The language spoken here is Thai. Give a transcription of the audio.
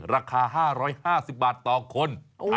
ราคา๕๕๐บาทต่อคน